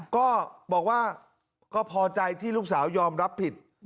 ก็บอกว่าก็พอใจที่ลูกสาวยอมรับผิด